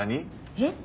えっ？